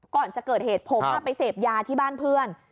ก่อนจะเกิดเหตุผมไปเสพยาที่บ้านเพื่อน